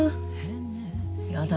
やだ。